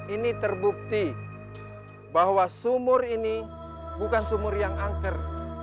ini terbukti bahwa sumur ini bukan sumur yang angker